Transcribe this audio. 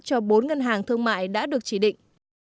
cho bốn ngân hàng thương mại đã được chỉ định